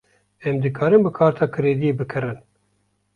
Em dikarin bi karta krediyê bikirin?